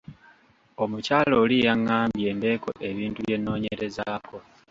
Omukyala oli yangambye mbeeko ebintu bye nnoonyerezaako.